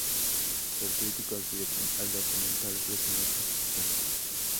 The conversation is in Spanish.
Los críticos dieron al documental reseñas positivas.